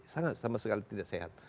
sangat sama sekali tidak sehat